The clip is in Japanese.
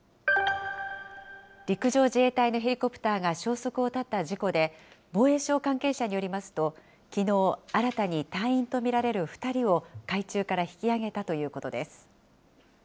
陸上自衛隊のヘリコプターが消息を絶った事故で、防衛省関係者によりますと、きのう、新たに隊員と見られる２人を海中から引きあげたということです。